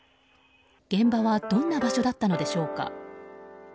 現場はどんな場所だったのでしょうか。